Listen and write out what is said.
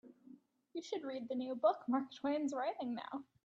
You should read the new book Mark Twain's writing now.